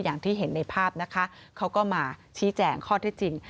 อย่างที่เห็นในภาพนะคะเขาก็มาชี้แจงข้อที่จริง